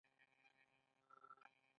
نو هغه مجبور دی چې دا په دوو برخو ووېشي